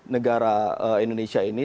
negara indonesia ini